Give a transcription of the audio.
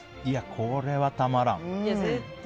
これはたまらん。